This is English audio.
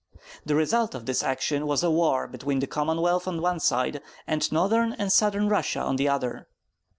The result of this action was a war between the Commonwealth on one side, and Northern and Southern Russia on the other.